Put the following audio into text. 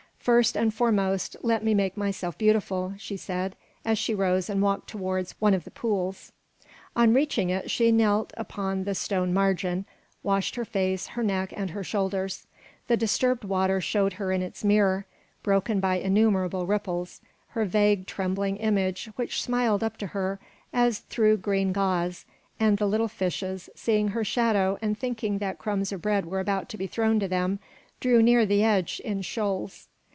"First and foremost, let me make myself beautiful," she said, as she rose and walked towards one of the pools. On reaching it, she knelt upon the stone margin, washed her face, her neck, and her shoulders. The disturbed water showed her in its mirror, broken by innumerable ripples, her vague, trembling image which smiled up to her as through green gauze; and the little fishes, seeing her shadow and thinking that crumbs of bread were about to be thrown to them, drew near the edge in shoals.